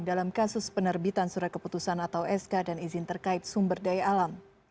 dalam kasus penerbitan surat keputusan atau sk dan izin terkait sumber daya alam